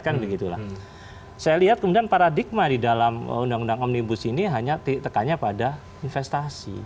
saya lihat kemudian paradigma di dalam undang undang omnibus ini hanya tekannya pada investasi